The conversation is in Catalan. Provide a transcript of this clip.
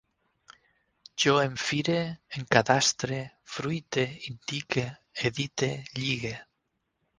Jo em fire, encadastre, fruite, indique, edite, lligue